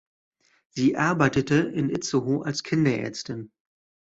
Sie arbeitete in Itzehoe als Kinderärztin.